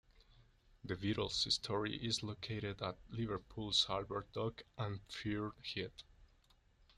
The Beatles Story is located at Liverpool's Albert Dock and Pier Head.